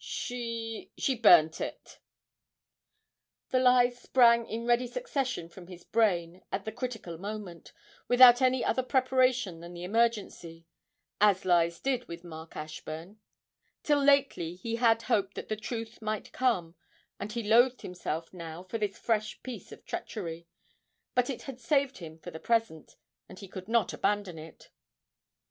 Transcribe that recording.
She she burnt it.' The lies sprang in ready succession from his brain at the critical moment, without any other preparation than the emergency as lies did with Mark Ashburn; till lately he had hoped that the truth might come, and he loathed himself now for this fresh piece of treachery, but it had saved him for the present, and he could not abandon it.